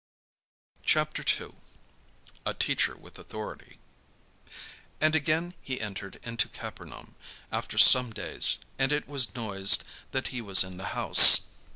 CHAPTER II A TEACHER WITH AUTHORITY And again he entered into Capernaum after some days; and it was noised that he was in the house.